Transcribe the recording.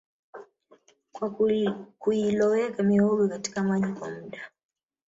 kwa kuiloweka mihogo katika maji kwa muda